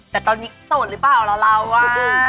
แต่ตอนนี้โสดหรือเปล่าเราอะ